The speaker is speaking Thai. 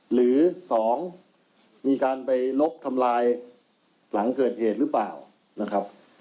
หรือ๒มีการไปลบทำลายหลังเกิดเหตุหรือเปล่านะครับ